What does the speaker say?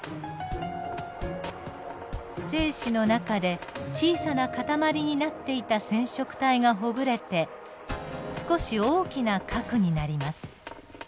精子の中で小さな塊になっていた染色体がほぐれて少し大きな核になります。